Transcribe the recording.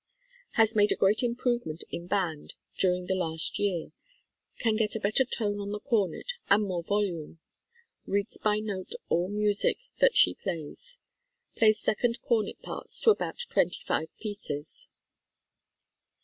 Has made a great improvement in "Band" during the last year. Can get a better tone on the cornet and more volume. Reads by note all music that she plays. Plays second cornet parts to about twenty five pieces.